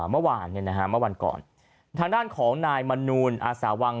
เมื่อวานเมื่อวันก่อนทางด้านของนายมนูลอาสาวัง